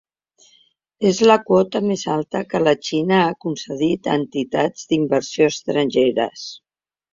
És la quota més alta que la Xina ha concedit a entitats d'inversió estrangeres.